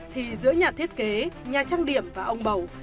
thì giữa nhà thiết kế nhà trang điểm và ông bầu